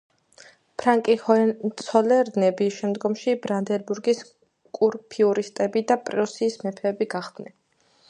ფრანკი ჰოენცოლერნები შემდგომში ბრანდენბურგის კურფიურსტები და პრუსიის მეფეები გახდნენ.